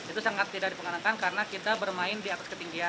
itu sangat tidak diperkenankan karena kita bermain di atas ketinggian